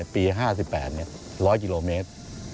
ปี๑๘๕๘ร้อยกิโลเมตร